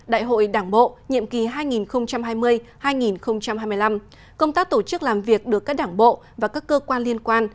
đại hội đảng bộ nhiệm kỳ hai nghìn hai mươi hai nghìn hai mươi năm công tác tổ chức làm việc được các đảng bộ và các cơ quan liên quan